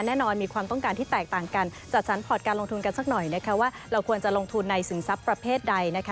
แน่นอนมีความต้องการที่แตกต่างกันจัดสรรพการลงทุนกันสักหน่อยนะคะว่าเราควรจะลงทุนในสินทรัพย์ประเภทใดนะคะ